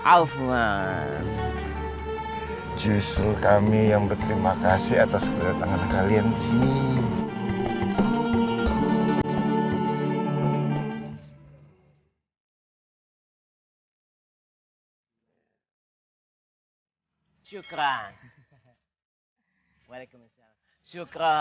alfa justru kami yang berterima kasih atas kedatangan kalian sih